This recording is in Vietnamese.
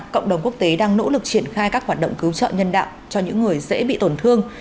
cộng đồng quốc tế đang nỗ lực triển khai các hoạt động cứu trợ nhân đạo cho những người dễ bị tổn thương